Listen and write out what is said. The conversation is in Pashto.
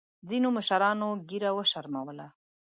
ځینو مشرانو ګیره وشرمولـه.